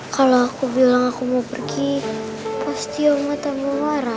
kalau aku bilang aku mau pergi pasti oma tak mau marah